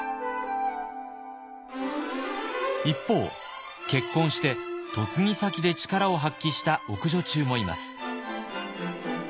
一方結婚して嫁ぎ先で力を発揮した奥女中もいます。